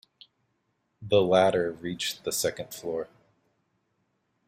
The ladder reached the second floor.